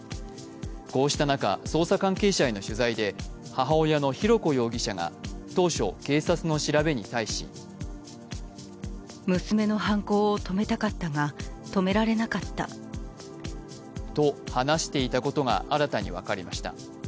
こうした中、捜査関係者への取材で母親の浩子容疑者が当初、警察の調べに対しと話していたことが新たに分かりました。